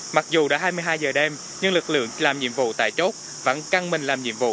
mặc dù đã hai mươi hai giờ đêm nhưng lực lượng làm nhiệm vụ tại chốt vẫn căng mình làm nhiệm vụ